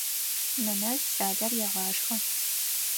Нэнэжъ кӏалэр егъашхэ.